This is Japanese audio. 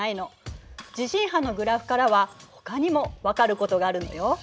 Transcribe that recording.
地震波のグラフからはほかにも分かることがあるのよ。